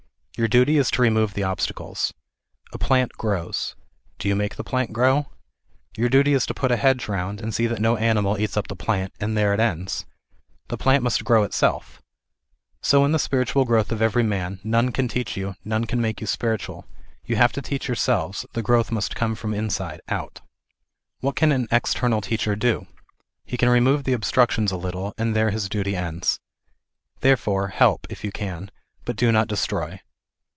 Your duty is to remove the obstacles. A plant grows. Do you make the plant grow ? Your duty is to put a hedge round, and see that no animal eats up the plant, and there it ends. The plant must grow itself. So in the spiritual growth of every man. None can teach you ; none can make you spiritual ; you have to teach yourselves ? t\ie growth must come from inside, not out. What can an external teacher do ? He can remove the obstructions a little, and there his duty ends. Therefore help, if you can, but do not destroy.